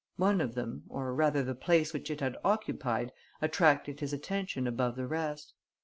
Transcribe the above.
One of them, or rather the place which it had occupied, attracted his attention above the rest.